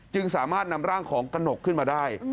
จึงสามารถนำร่างของกระหนกขึ้นมาได้